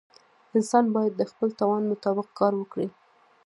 انسان باید د خپل توان مطابق کار وکړي.